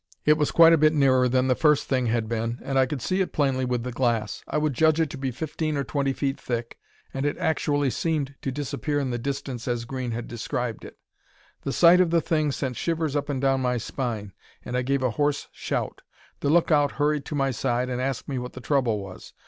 It was quite a bit nearer than the first thing had been and I could see it plainly with the glass. I would judge it to be fifteen or twenty feet thick, and it actually seemed to disappear in the distance as Green had described it. The sight of the thing sent shivers up and down my spine, and I gave a hoarse shout. The lookout hurried to my side and asked me what the trouble was.